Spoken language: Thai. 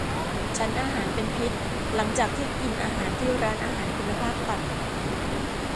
ฉันอาหารเป็นพิษหลังจากที่กินอาหารที่ร้านอาหารคุณภาพต่ำ